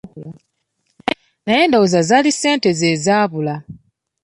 Naye ndowooza zaali ssente ze zaabula.